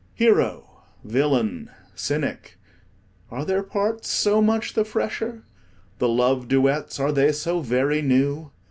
Hero, villain, cynic—are their parts so much the fresher? The love duets, are they so very new?